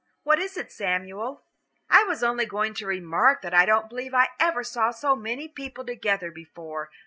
What is it, Samuel?" "I was only going to remark that I don't believe I ever saw so many people together before.